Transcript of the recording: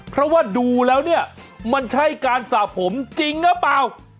เพราะว่าดูแล้วเนี่ยมันใช่การสระผมจริงหรือเปล่า